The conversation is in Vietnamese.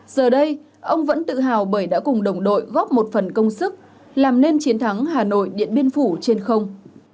giờ đây ông vẫn tự hào bởi đã cùng đồng đội góp một phần công sức làm nên chiến thắng hà nội điện biên phủ trên không